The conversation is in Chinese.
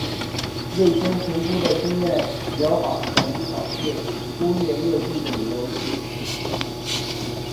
未经评估过的经验疗法可能导致忽略恶性肿瘤。